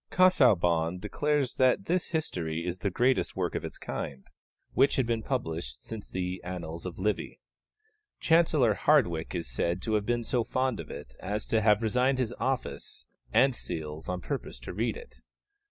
Casaubon declares that this history is the greatest work of its kind which had been published since the Annals of Livy. Chancellor Hardwicke is said to have been so fond of it as to have resigned his office and seals on purpose to read it.